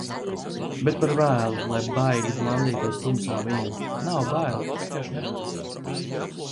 Bet par vēlu, lai baigi blandītos tumsā viena. Nav bail, vienkārši nepatīk.